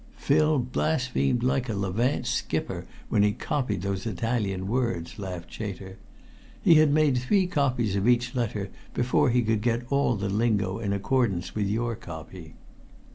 "Phil blasphemed like a Levant skipper when he copied those Italian words!" laughed Chater. "He had made three copies of each letter before he could get all the lingo in accordance with your copy."